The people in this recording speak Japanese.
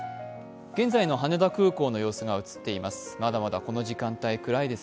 現在の羽田空港が映っています。